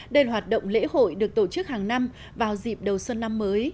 đây là hoạt động lễ hội được tổ chức hàng năm vào dịp đầu xuân năm mới